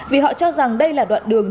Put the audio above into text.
vì họ cho rằng đây là đoạn đường